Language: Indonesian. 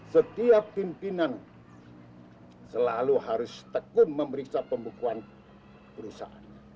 setiap pimpinan selalu harus tekun memeriksa pembukuan perusahaan